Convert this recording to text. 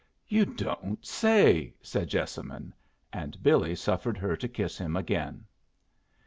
"You don't say!" said Jessamine. And Billy suffered her to kiss him again.